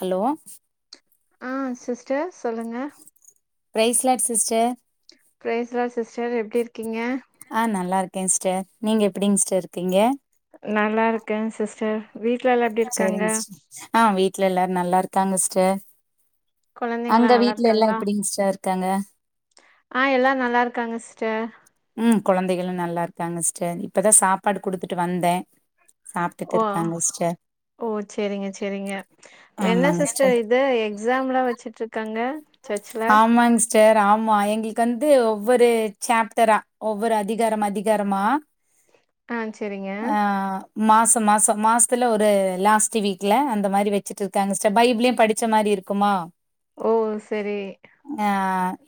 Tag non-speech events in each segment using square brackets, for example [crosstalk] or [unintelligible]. Hello ஆ sister சொல்லுங்க. Praise lord sister. பேசலா சிஸ்டர், எப்டி இருக்கீங்க ஆ நல்லா இருக்கே சிஸ்டர். நீங்க எப்டிங்க இருக்கீங்க. நல்லா இருக்கே சிஸ்டர். வீட்ல எல்லா எப்டி இருக்காங்க சரிங்க சிஸ், ஆ வீட்டுல எல்லாரும் நல்லா இருக்காங்க, சிஸ்டர். கொழந்தைங்களா அங்க நல்லா வீட்ல எல்லாம் இருக்காங்களா எப்டி சிஸ்டர் இருக்காங்க. ஆ எல்லா நல்லா இருக்காங்க சிஸ்டர். உம் குழந்தைகளும் நல்லா இருக்காங்க சிஸ்டர். இப்பதா சாப்பாடு குடுத்துட்டு வந்தேன். சாப்ட்டுட் ஓ இருக்காங்க, சிஸ்டர். ஓ சேரிங்க சேரிங்க என்ன சிஸ்டர் இது எக்ஸாம்லா வச்சுட்டு இருக்காங்க. சர்ச்ல ஆமாங்க சிஸ் ஸ்டர் ஆமா எங்களுக்கு வந்து, ஒவ்வொரு சாப்டரா, ஒவ்வொரு அதிகாரம் அதிகாரமா [inaudible] சேரிங்க ஆ... மாசம் மாசம் மாசத்துல ஒரு லாஸ்ட் வீக்ல அந்த மாரி வச்சுட்டு இருக்காங்க சிஸ்டர். பைபிளயும் படிச்ச மாரி இருக்கு. க்கும்மா ஓ செரி ஆ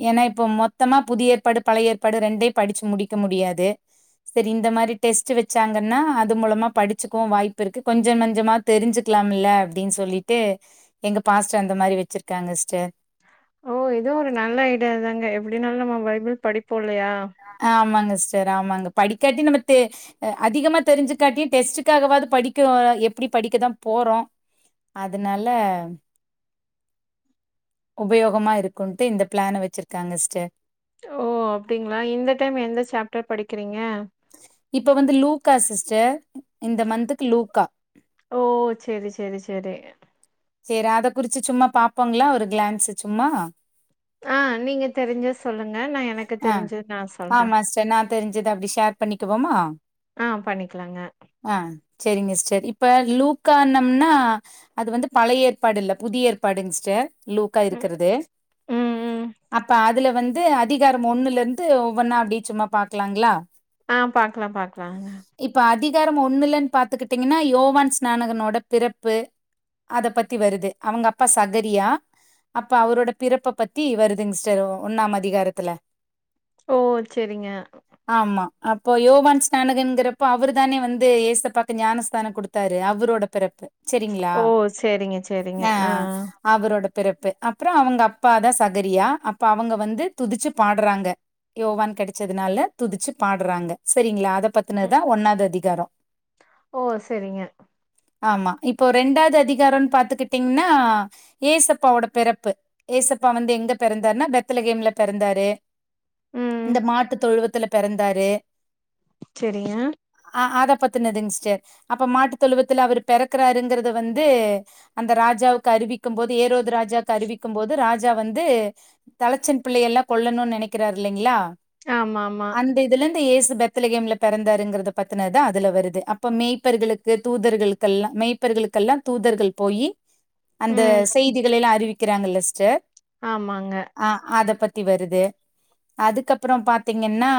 ஏன்னா இப்போ மொத்தமா புதிய ஏற்பாடு பழைய ஏற்பாடு ரெண்டயும் படிச்சு முடிக்க முடியாது செரி இந்த மாரி டெஸ்ட் வச்சாங்கன்னா அது மூலமா படிச்சுவவும் வாய்ப்பு இருக்கு கொஞ்சம் நஞ்சமாவது தெரிஞ்சுக்கலாம் இல்ல அப்டின்னு சொல்லிட்டு எங்க பாஸ்ட்டர் அந்த மாரி வச்சிருக்காங்க சிஸ்டர் ஓ இது ஒரு நல்ல ஐடியா தாங்க எப்டினாலு நம்ம பைபிள் படிப்போ இல்லயா ஆமாங்க சிஸ்டர் ஆமாங்க படிக்காட்டி நம்ம தெ அதிகமா தெரிஞ்சுக்காட்டியு டெஸ்டுக்காகவது படிக்க எப்டி படிக்கதா போறோ அதனால உபயோகமா இருக்குன்ட்டு இந்த பிளான வெச்சிருக்காங்க சிஸ்டர் ஓ அப்டிங்களா இந்த டைம் எந்த சாப்டர் படிக்கிறீங்க இப்ப வந்து லூக்கா சிஸ்டர் இந்த மந்த்துக்கு லூக்கா ஓ செரி செரி செரி சேரி அத குறிச்சு சும்மா பாப்போங்களா ஒரு கிளான்ஸ் சும்மா ஆ நீங்க தெரிஞ்ச சொல்லுங்க நா எனக்கு தெரிஞ்சது நா சொல்ற தெரிஞ்சது அப்டி ஷேர் பண்ணிக்குவோமா ஆ பண்ணிக்கலாங்க ஆ செரிங்க சிஸ்டர் இப்ப லூக்கான்னம்னா அது வந்து பழைய ஏற்பாடு இல்ல புதிய ஏற்பாடுங்க சிஸ்டர் லூக்கா ம் இருக்கிறது ம் ம் அப்ப அதுல வந்து அதிகாரம் ஒண்ணுல இருந்து ஒவ்வொன்னா அப்டியே சும்மா பாக்கலாங்களா ஆ பாக்கலா பாக்கலாங்க இப்ப அதிகாரம் ஒண்ணுல்லன்னு பாத்துகிட்டீங்கன்னா யோவான் ஸ்நானகனோட பிறப்பு அத பத்தி வருது அவங்க அப்பா சகரியா அப்ப அவரோட பிறப்ப பத்தி வருதுங்க சிஸ்டர் ஒன்னாம் அதிகாரத்துல ஓ சேரிங்க ஆமா அப்போ யோவான் ஸ்நானகன்ங்கிறப்போ அவர் தானே வந்து ஏசப்பாக்கு ஞானஸ்தானம் குடுத் தாரு அவரோட பிறப்பு செரிங்களா ஓ செரிங்க செரிங்க ஆ ஆ அவரோட பிறப்பு அப்றோ அவங்க அப்பாதா சகரியா அப்ப அவங்க வந்து துதிச்சு பாட்றாங்க யோவான் கெடைச்சதுனால துதிச்சு பாட்றாங்க செரிங்களா அத ம் பத்தினதா ஒன்னாது அதிகாரோ ஓ சேரிங்க ஆமா இப்போ ரெண்டாவது அதிகாரன்னு பாத்துகிட்டீங்கன்னா ஏசப்பாவோட பிறப்பு ஏசப்பா வந்து எங்க பிறந்தாருனா பெத்தல கேம்ல பிறந்தாரு ம் இந்த மாட்டு தொழுவத்துல பிறந்தாரு செரிங்க ஆ அதா பத்தினதுங்க சிஸ்டர் அப்ப மாட்டு தொழுவத்துல அவரு பிறக்குறாருங்கறத வந்து அந்த ராஜாவுக்கு அறிவிக்கும் போது ஏரோது ராஜாவுக்கு அறிவிக்கும் போது ராஜா வந்து தலச்சன் பிள்ளைய எல்லா கொல்லணு நெனைக்கிறாரு இல்லிங்ளா ஆமா ஆமா அந்த இதுல இருந்து ஏசு பெத் பெத்லகேம்ல பிறந்தாருங்கறத பத்துனது அதுல வருது அப்ப மெய்ப்பர்களுக்கு தூதர்களுக்கெல்லா மெய் ர்களுக்கெல்லா தூதர்கள் போயி அந்த ம் செய்திகள எல்லா அறிவிக்கிறாங்கில்ல சிஸ்டர் ஆமாங்க ஆ அத பத்தி வருது அதுக்கப்றோ பாத்தீங்கன்னா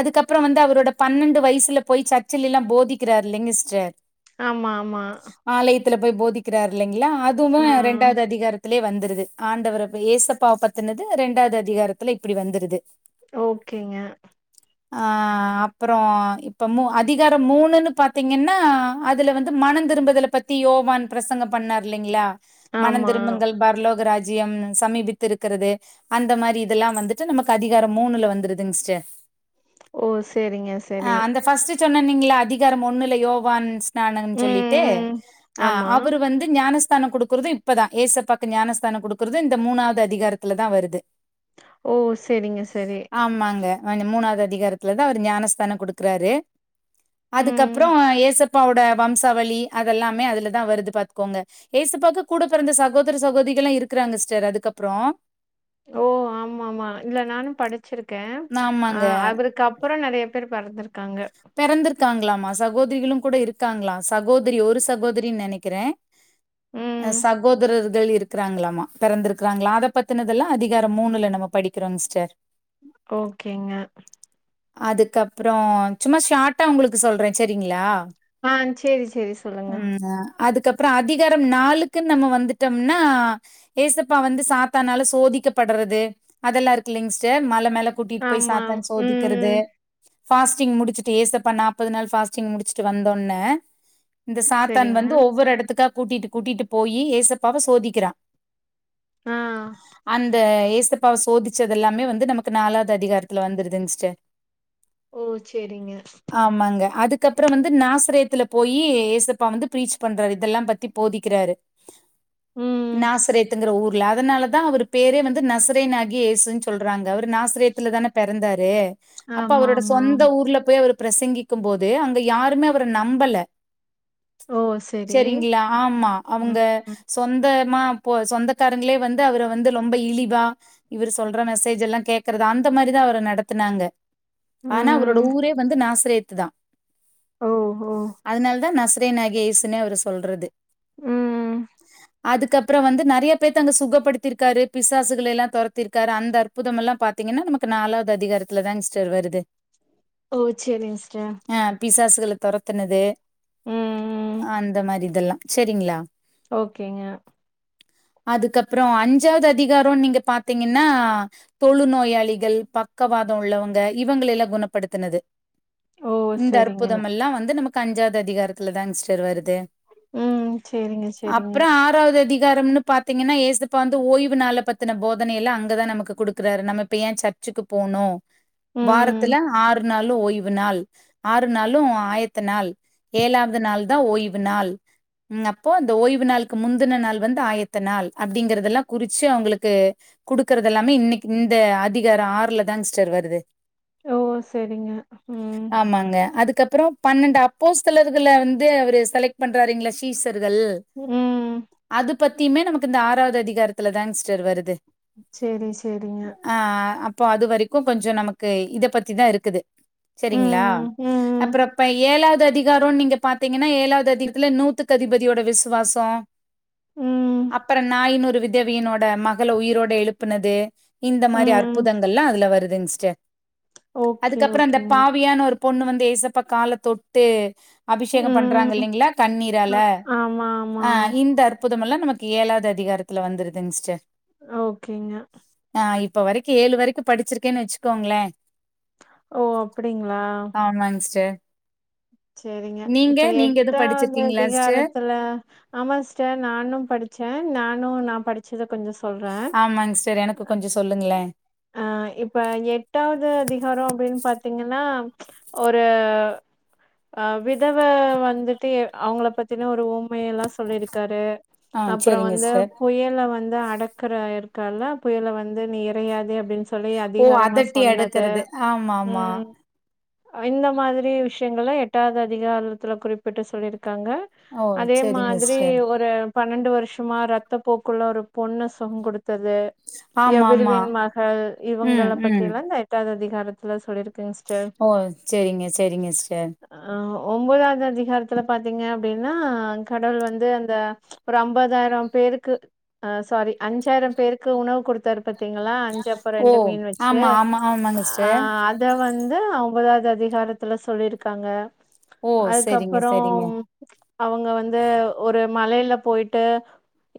அதுக்கப்றோ வந்து அவரோட பன்னெண்டு வயசுல போய் சர்ச்சல எல்லா போதிக்கிறாரு இல்லிங்க சிஸ்டர் ஆமா ஆமா ஆலயத்துல போயி போதிக்கிறாரு இல்லிங்ளா ஆ அதுவு ரெண்டாது அதிகாரத்து த்தில வந்துருது ஆண்டவர ஏசப்ப பத்தினது ரெண்டாவது அதிகாரத்துல இப்டி வந்துருது ஓகேங்க ஆ அப்றோ இப்ப மூ அதிகாரோ மூணுன்னு பாத்தீங்கன்னா அதுல வந்து மனந் திரும்பதல பத்தி யோவான் பிரசங்கப்பண்ணார் இல்லைங்களா மனந் ஆமா திரும்புங்கள் பர்லோக ராஜ்யம் சமீபித்து இருக்குறது அந்த மாரி இதெல்லா வந்துட்டு நமக்கு அதிகாரம் மூணுல வந்துருதுங் ஸ்டர் ஓ செரிங்க அ செரி அந்த பர்ஸ்ட் சொன்னன்னிங்ள அதிகாரம் ஒண்ணுல யோவான்ஸ் னானன்னு ம் சொல்லிட்டு் ம் அ ஆமா அவரு வந்து ஞானஸ்தானொ கொடு க்கிறது இப்பதா ஏசப்பாக்கு ஞானஸ்தானொ குடுக்கறது இந்த மூணாவது அதிகாரத்துல தா வருது ஓ செரிங்க செரி ம்மாங்க அ இந்த மூணாது அதிகாரத்துலதா அவர் ஞானஸ்தானம் கொடுக்குறாரு ம் அதுக்கப்றோ ஏசப்பாவோட வம்சாவளி அதெல்லாமே அதுலதா வருது பாத்துக்கோங்க ஏசப்பாக்கு கூட பிறந்த சகோதர சகோதிகல்லா இருக்குறாங்க சிஸ்டர் அதுக்கப்றோ ஓ ஆமா ஆமா இல்ல நானு படுச்சிருக்கே அ ஆமாங்க அவருக்கு அப்றோ நெறைய பேர் பெறந்திருக்காங்க பெறந்திருக்காங்ளாமா சகோதிரிகளும் கூட இருக்காங்களா சகோதிரி ஒரு சகோதிரின்னு நெனைக்கறே அ ம். சகோதரர்கள் இருக் கிறாங்ளாமா பெறந்திருக்றாங்ளா அத பத்துனதெல்லா அதிகாரம் மூணுல நம்ம படிக்கிறோங்ஸ்டர் ஓகேங்க அதுக்கப்றோ சும்மா ஷார்ட்டா உங்ளுக்கு சொல்றே செரிங்களா ஆ சேரி சேரி சொல்லுங்க அதுக்கப்றோ அதிகாரம் நாலுக்குன்னு நம்ம வந்துட்டோம்னா ஏசப்பா வந்து சாத்தானால சோதிக்கப்படறது அதெல்லா இருக்குல்லங் ஸ்டர் மல மேல கூட்டிட்டு போய் ஆமா. சாத்தான் ம். சோதிக்கிறது ஃபாஸ்டிங் முடித் சுட்டு ஏசப்பா நாப்பது நாள் ஃபாஸ்டிங் முடிச்சுட்டு வந்தோன இந்த சாத்தான் சரிங்க. வந்து ஒவ்வொரு எடத்துக்கா கூட்டிட்டு கூட்டிட்டுப் போயி ஏசப்பாவ சோதிக்கிறா ஆ. அந்த ஏச ப்பாவ சோதிச்சது எல்லாமே வந்து நமக்கு நாலாது அதிகாரத்துல வந்துருதுங் ஸ்டர் ஓ செரிங்க ஆமாங்க அதுக்கப்றோ வந்து நாசுரேத்துல போயி ஏசப்பா வந்து ப்ரீச் பண்றாரு இதெல்லா பத்தி போதிக்கிறாரு ம். நாசுரேத்துங்குற ஊர் ல அதனால தா அவரு பேரே வந்து நசரேன் ஆகி ஏசுனு சொல்றாங்க அவரு நாசுரேத்ல தானே பெறந்தாரு அப்ப அவரோட ஆமாமா. சொந்த ஊர்ல போயி அவரு பிரசங்கிக்கும் போது அங்க யாருமே அவர நம்பல ஓ! சரி. செரிங்ளா ஆமா ம், அவுங்க ம். சொந்தமா போ சொந்தக்காரங்ளே வந்து அவர வந்து ரொம்ப இழிவா இவரு சொல்ற மெசேஜ் எல்லா கேக்குறத அந்த மாரிதா அவர நடத்துனாங்க ஆனா அவரோட ம். ஊரே வந்து நாசரேத்து தா ஓ! ஓ! அதுனால தா நச தேனாகிய ஏசுனே அவர சொல்றது ம். அதுக்கப்றோ வந்து நெறைய பேத்த அங்க சுகப்படுத்திருக்காரு பிசாசுகள் எல்லா தொரத்திருக்காரு அந்த அற் புதமெல்லா பாத்திங்கன்னா நமக்கு நாலாது அதிகாரத்துல தான்ங்ஸ்டர் வருது ஓ செரிங்ஸ்டர் ஆ பிசாசுகள தொரத்துனது ம், ம். அந்த மாரி இதெல்லா செரிங்ளா ஓகேங்க அதுக்கப்றோ அஞ்சாது அதிகாரோன்னு நீங்க பாத்திங்கன்னா தொழு நோயாளிகள் பக்கவாத உள்ளவங்க இவங்கள எல்லா குணப்படுத்துனது ஓ! இந்த சரிங்க. அற்புதமெல்லா வந்து நமக்கு அஞ்சாது அதிகாரத்துல தாங்கஸ்டர் வருது ம். சரிங்க, சரிங்க. அப்றோ ஆ [unintelligible] வது அதிகாரம்னு பாத்திங்கன்னா ஏசப்பா வந்து ஓய்வு நாள பத்தன போதனை எல்லா அங்கதா நமக்கு குடுக்குறாரு நம்ம இப்ப ஏ சச் ச்க்கு போனு ம். வாரத்துல ஆறு நாளு ஓய்வ் நாள் ஆறு நாளு ஆயத்த நாள் ஏழாவது நாள் தா ஓய்வு நாள் ம் அப்போ அந்த ஓய்வு நாள்க்கு முந்தின நாள் வந்து ஆயத்த நாள் அப்டிங்கறதெல்லா குறிச்சு அவுங்களுக்கு குடுக்கறதல்லாமே இன்னைக் இந்த அதிகாரோ ஆறுல தா சிஸ்டர் வருது ஓ செரிங்க ம் ஆமாங்க அதுக்கப்பறோ பன்னெண்டு அப்போஸ்தலர்கள வந்து அவரு செலக்ட் பண்றாருங்க்ளே சீசர்கள் ம் அது பத்தியுமே நமக்கு இந்த ஆறாவது அதிகாரத்துல தாங் சிஸ்டர் வருது சேரி சேரிங்க ஆ அப்போ அது வரைக்கு கொஞ்சோ நமக்கு இத பத்திதா இருக்குது சேரிங்களா ம் ம் அப்பறோ இப்ப ஏழாவது அதிகாரோன் நீங்க பாத்தீங்கன்னா ஏழாவது அதிகத்துல நூத்துக்கு அதிபதியோட விஸ்வாசோ ம் அப்பறோ [unintelligible] விதவியனோட மகள உயிரோட எழுப்புனது இந்த மாரி ம் அற்புதங்கள்ளா அதுல வருதுங்க் சிஸ்டர் ஓகே அதுக்கப்பறோ அந்த ஓகேங்க ஓவியானு ஒரு பொண்ணு வந்து ஏசப்பா கால தொட்டு அபிஷேகம் பண்றாங்க ம் இல்லைங்க்ளா கண்ணீரால அ ஆமா ஆமா ஆ இந்த அற் புதமெல்லா நமக்கு ஏழாவது அதிகாரத்துல வந்துருதுங் சிஸ்டர் ஓகேங்க ஆ இப்போ வரைக்கு ஏழு வரைக்கு படிச்சிருக்கேன் வெச்சுக்கோங்க்ளே ஓ அப்டிங்க்ளா ஆமாங்ஸ்டர் சேரிங்க இப்ப நீங்க எதுவும் எட்டாவது படிச்சிருக்கீங்களா சிஸ்டர்? அதிகாரத்துல ஆமாங்க்ஸ்டர் நானு படுச்சே நானு நா படிச்சத கொஞ்சோ ஸ் ஆமாங்க்ஸ்டர் எனக்கு கொஞ்சோ சொல்லுங்க்ளே ஆ இப்ப எட்டாவது அதிகாரோ அப்டின் பாத்தீங்கன்னா ஒரூ ஆ விதவ வந்துட்டு எ அவங்கள பத்தின ஒரு ஓ மை எல்லா சொல்லிருக்காரு ஆ அப்பறோ சரிங்க வந்து சிஸ்டர். புயல வந்து அடக் க்கர இருக்கார்ல புயல வந்து நீ இறையாது அப்டின் சொ சொல்லி ஓ அதிகாரமா அதட்டி சொன்னது அடுக்கறது. ஆமாமா. ம் அ இந்த மாதிரி விஷயங்கலா எட்டாவது அதிகாரத்துல குறிப்பிட்டு சொல்லிருக்காங்க ஓ அதே சரிங்க மாத்ரி சிஸ்டர். ஒரு பன்னெண்டு வருஷமா ரத்தப் போக்குல்ல ஒரு பொண்ணு [unintelligible] குடுத்தது ஆம்மாம்மா கல் இவங்கள பத்தி எல்லா இந்த எட்டாவது அதிகாரத்துல சொல்லிருக் ஓ சேரிங்க சேரிங்க சிஸ்டர் ஆ ஒம்பதாவது அதிகாரத்துல பாத்தீங்க அப்டின்னா கடவுள் வந்து அந்த ஒரு ஐம்பதாயிரோ பேருக்கு ஆ சாரி அஞ்சாயிரம் பேருக்கு உணவு குடுத்தாரு பாத்தீங்களா அஞ் சப்ப ஓ ரெண்டு மீன் வெச்சு ஆமா, ஆமா, ஆமாங்க ஆ சிஸ்டர். அத் இத வந்து ஒம்பதாவது அதிகாரத்துல சொல்லிருக்காங்க ஓ சரிங்க, சரிங்க. அதுக்கப்பறோம் அவங்க வந்து ஒரு மலேல போய்ட்டு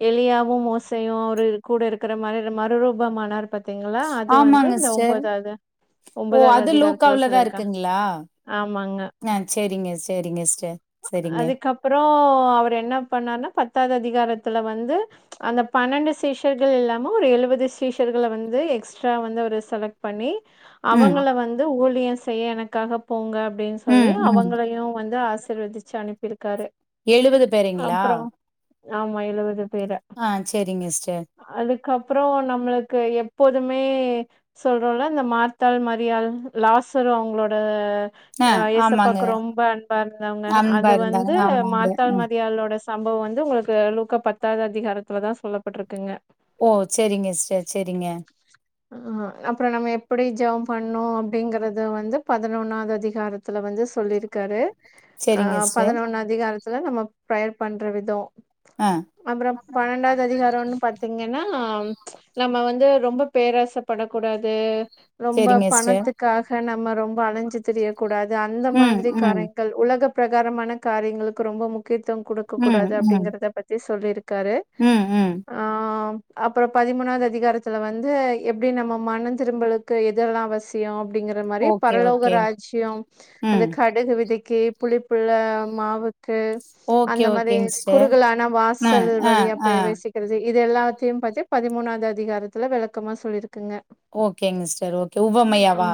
எலியாவு மோசையு அவரு கூட இருக்கற மாரி ர மறுரூபமானார் பத் த்தீங்க்ளா அது வந்து ஆமாங்க இந்த சிஸ்டர். ஒம்பதாவது ஓ அது லூகாவ்லதா இருக்குங்க்ளா ஆமாங்க ஆ சேரிங்க சேரிங்கஸ்ட சேரிங் அதுக்கப்றோ அவர் என்ன பண்ணார்னா பத்தாவது அதிகாரத்துல வந்து அந்த பனண்டு சீஷர்கள் இல்லாம ஒரு எழுவது சீஷர்கள வந் து எக்ஸ்ட்ரா வந்து அவர் செலக்ட் பண்ணி ம், அவங்கள வந்து ஊழியம் செய்ய எனக்காக போங்க அப்டின் சொல்லி ம், ம். அவங்களையு வந்து ஆசிர்வதிச்சு அனுப்பிருக்காரு எழுவது பேரைங்களா ஆமா எழுவது பேர ஆ சேரிங்கஸ்ட அலுக்கப்றோ நம்மளுக்கு எப் எப்போதுமே சொல்றோல்ல இந்த மார்த்தால் மரியாள் லாசர் அவங்களோட ஆ ஏசப்பாக்கு ரொம்ப அன்பா இருந்தவங்க அன்பா அது இருந்தாங்க. வந்து ஆமாங்க. மார்த்தாள் மரியாளோட சம்பவ வந்து உங்களுக்கு லூக்கா பத்தாவது அதிகாரத்துல தா சொல்லப்பட்ருக்குங்க ஓ சேரிங்கஸ்ட செரிங்க ஆமா அப்றோ நம்ம எப்டி ஜோம் பண்ணோ அப்டிங்கறது வந்து பதினொன்னாவது அதிகாரத்துல வந்து சொல்லிருக்காரு ஆ சரிங்க சிஸ்டர். பதினொன்னு அதிகாரத்துல நம்ம ப்ரெயர் பண்ற விதோ ஆ அப்றோ பனண்டாவது அதிகாரன்னு பாத்தீங்க ன்னா நம்ம வந்து ரொம்ப பேராச படக்கூடாது ரொம்ப சரிங்க சிஸ்டர். பணத்துக்காக நம்ம ரொம்ப அழிஞ்சு திரிய கூடாது அந்த ம், மாதிரி ம், காரேங் கள் உலக ப்ரகாரமான காரியங்களுக்கு ரொம்ப முக்கியத்தும் குடுக்க ம், கூடாது ம், அப்டிங்கறத பத் தி சொல்லிருக்காரு ம் ம் ஆ அப்றோ பதிமூணாது அதிகாரத்துல வந் வந்து எப்டி நம்ம மனம் திரும்பலுக்கு எதெல்லாம் அவ சியோ அப்டிங்கிற மாரி ஓகே, பரலோக ஓகே. ராஜ்யோ அந்த ம். கடுகு விதைக்கு புளிப்புள்ள மாவு க்கு ஓகே, அந்த மாரி ஓகேங்க சிஸ்டர். குறுகலான ஆ, வாசல் ஆ, வழியா ஆ. ப்ரவேசிக் கறது இது எல்லாத்தையு பத்தி பதிமூணாது அதிகாரத்துல வெளக்கமா சொல்லிருக்குங்க ஓகேங்கஸ்டர் ஓக்கே உவமையாவா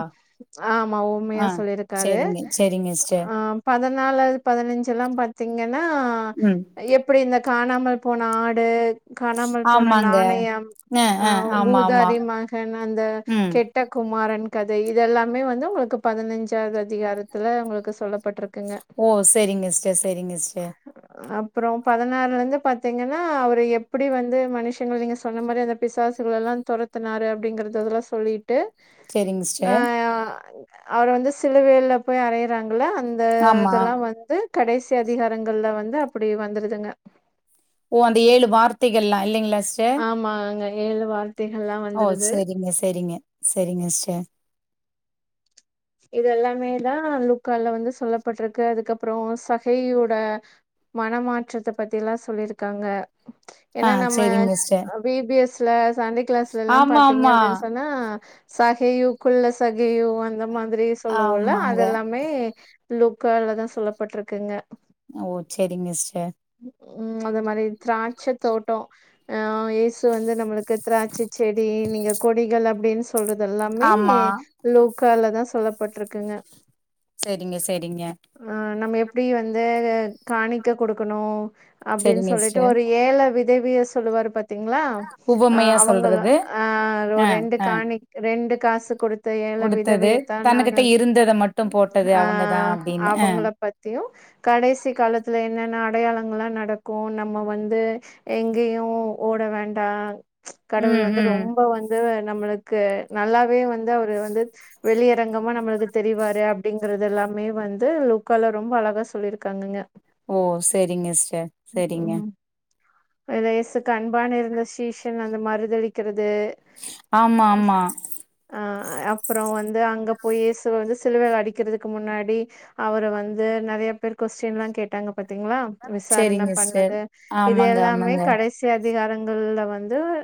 ஆமா உண்மையா ஆ சொல்லியிருக்காரு சேரிங்க செரிங்கஸ்ட ஆ பதினாலாவது பதினஞ்செல்லா பாத்தீங்கன்னா ம். அ எப்டி இந்த காணாமல் போன ஆடு காணாமல் போன ஆமாங்க. நாணயம் அ ஊதாரி மகன் அந்த ம். கெட் ட குமாரன் கதை இதெல்லாமே வந்து உங்களுக்கு பதினஞ்சாவது அதிகாரத்துல உங்களுக்கு சொல்லப்பட்ருக் ஓ செரிங்கஸ்ட செரிங்கஸ்ட அப்றோ பதினாறுல இருந்து பாத்தீங்கன்னா அவரு எப்டி வந்து மனுஷங்கள நீங்க சொன்ன மாரி அந்த பிசாசுகளெல்லா தொரத்துனாரு அப்டிங்கறதுதெல்லா சொல்லிட்டு சரிங்க ஆ சிஸ்டர். அவர வந்து சிலுவையில போய் அரையறாங்கள அந்த ஆமா. இதெல்லா வந்து கடைசி அதிகாரங்கள்ல வந்து அப்டி வந்துருதுங்க ஓ அந்த ஏழு வார்த்தைகள்லா இல்லைங்களாஸ்ட ஆமா இங்க ஏழு வார் ஓ செரிங்க செரிங்க செரிங்கஸ்ட இது எல்லாமே தா லூக்கால வந்து சொல்லப்பட்ருக்கு அதுக்கப்றோ சகையோட மனமாற்றத்த பத்தி எல்லா சொல்லிருக்காங்க ஆ, ஏன்னா நம்ம சரிங்க சிஸ்டர். ஆ பிபிஎஸ்ல சண்டே க்ளாஸ்ல எல்லா ஆமா, பாத்தீங்க ஆமா. அப்டின் சொன்னா சகையு குள்ள சகையு அந்த மாதிரி சொல்லுவோல்ல ஆமாங்க. அது எல்லாமே லூக்காலதா சொல்லப்பட்ருக்குங்க ஓ செரிங்க சிஸ்டர் ம் அந்த மாதிரி திராட்ச தோட்டோ ஆ இஸ் இது வந்து நம்மளுக்கு திராட்ச செடி நீங்க கொடிகள் அப்டின்னு சொல்றது எல்லாமே ஆமா லுக் காலதா சொல்லப்பட்ருக்குங்க செரிங்க செரிங்க ஆ நம்ம எப்டி வந்து காணிக்க குடுக்கணு அப்டின்னு செரிங்க சொல்லிட்டு சிஸ்டர் ஒரு ஏழ விதவிய சொல்லுவாறு பாத் தீங்களா உவமையா அவங்கள சொல்றது ஆ ஆ ரெண்டு ஆ காணி ரெண்டு காசு குடுத் து ஏழ குடுத்தது விதவியத்தா நானு தன்னுகிட்ட இருந்தத மட்டு போட்டது ஆ அவங்கதா அப்டின்னு ஆ அவங்கள பத்தியு கடைசி காலத்துல என்னென்ன அடையாளங்கள்லா நடக்கு நம்ம வந்து எங்கயு ஓட வேண்டா கடவுள் ம் வந்து ம் ரொம்ப வந்து நம்மளுக்கு நல்லாவே வந்து அவரு வந்து வெளியரங்கமா நம்மளுக்கு தெரிவாரு அப்டிங்கறது எல்லாமே வந்து லூக்கால ரொம்ப அழகா சொல்லிருக்காங்கங்க ஓ செரிங்க சிஸ்டர் செரிங்க இந்த ஏசுக்கு அன்பான இருந்த சீஷன் அந்த மறுதளிக்கிறது ஆமா ஆமா ஆ அப்பறோ வந்து அங்க போய் ஏசுவ வந்து சிலுவைல அடிக்கிறதுக்கு முன்னாடி அவர வந்து நெறையா பேர் கொஸ்டின்ல்லா கேட்டாங்க பாத்தீங்களா விசாரண செரிங்க சிஸ்டர் பண்ணது இது ஆமாங்க எல்லாமே ஆமாங்க கடைசி அதிகாரங்கள்ல வந்து